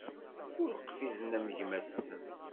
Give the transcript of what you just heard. Ur qfizen am gma-tsen.